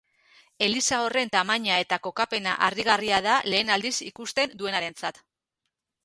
Eliza horren tamaina eta kokapena harrigarria da lehen aldiz ikusten duenarentzat.